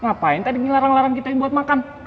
ngapain tadi ngelarang larang kita buat makan